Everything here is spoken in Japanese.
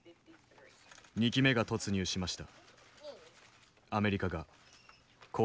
「２機目が突入しました」。